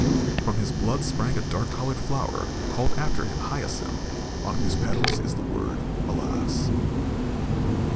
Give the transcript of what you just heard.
From his blood sprang a dark colored flower called after him hyacinth, on whose petals is the word "alas."